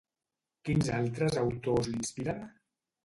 Quins altres autors l'inspiren?